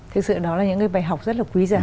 thực sự đó là những cái bài học rất là quý giá